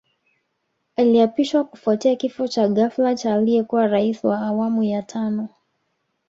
Aliapishwa kufuatia kifo cha ghafla cha aliyekuwa Rais wa Awamu ya Tano